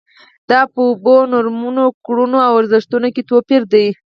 دا په اوبو، نورمونو، کړنو او ارزښتونو کې توپیرونه دي.